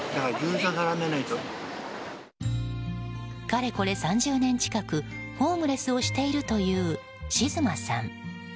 かれこれ３０年近くホームレスをしているというしずまさん。